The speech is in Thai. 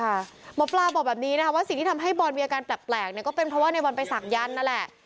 หมอปลาบอกแบบนี้นะคะว่าสิ่งที่ทำให้บอลมีอาการแปลกเนี่ยก็เป็นเพราะว่าในบอลไปศักยันต์นั่นแหละ